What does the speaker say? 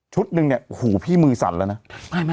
นึงเนี่ยหูพี่มือสั่นแล้วนะ